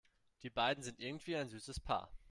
Die beiden sind irgendwie ein süßes Paar.